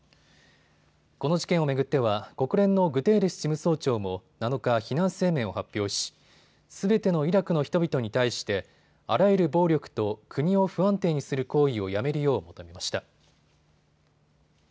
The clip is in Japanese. この事件を巡っては国連のグテーレス事務総長も７日、非難声明を発表しすべてのイラクの人々に対してあらゆる暴力と国を不安定にする行為をやめるよう求めました。